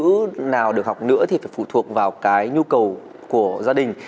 ngôn ngữ nào được học nữa thì phải phụ thuộc vào cái nhu cầu của gia đình